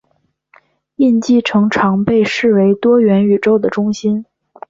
印记城常被视为多元宇宙的中心。